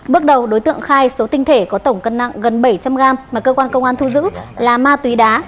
bước đầu đối tượng khai số tinh thể có tổng cân nặng gần bảy trăm linh gram mà cơ quan công an thu giữ là ma túy đá